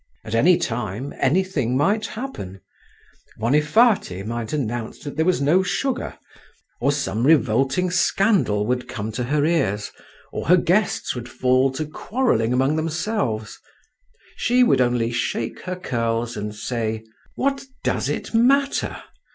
At any time anything might happen; Vonifaty might announce that there was no sugar, or some revolting scandal would come to her ears, or her guests would fall to quarrelling among themselves—she would only shake her curls, and say, "What does it matter?"